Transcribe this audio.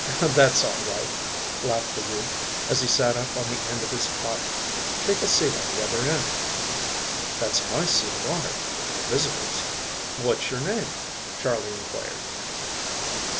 "That's all right," laughed the youth, as he sat up on the end of his cot. "Take a seat on the other end. That's my seat of honor for my visitors." "What's your name?" Charley inquired.